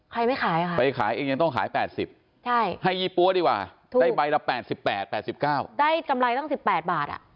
ไม่ขายค่ะไปขายเองยังต้องขาย๘๐ให้ยี่ปั๊วดีกว่าได้ใบละ๘๘๙ได้กำไรตั้ง๑๘บาท